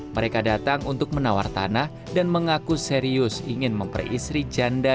mereka datang untuk menawar tanah dan mengaku serius ingin memperistri janda